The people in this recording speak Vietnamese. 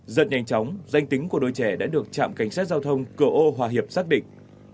rất nhanh chóng danh tính của đôi trẻ đã được trạm cảnh sát giao thông cửa ô hòa hiệp xác định